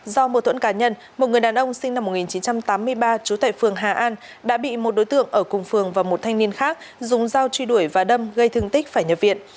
do mô thuẫn cá nhân một người đàn ông sinh năm một nghìn chín trăm tám mươi ba trú tại phường hà an đã bị một đối tượng ở cùng phường và một thanh niên khác dùng dao truy đuổi và đâm gây thương tích phải nhập viện